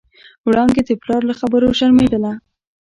وړانګې د پلار له خبرو شرمېدله.